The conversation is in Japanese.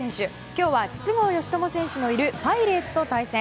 今日は筒香嘉智選手のいるパイレーツと対戦。